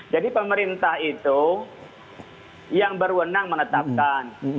jadi pemerintah itu yang berwenang menetapkan